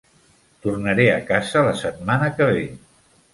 Tornaré a casa la setmana que ve